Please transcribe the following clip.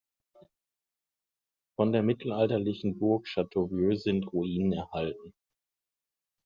Von der mittelalterlichen Burg Château Vieux sind Ruinen erhalten.